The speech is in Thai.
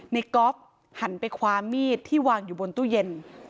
ก๊อฟหันไปคว้ามีดที่วางอยู่บนตู้เย็น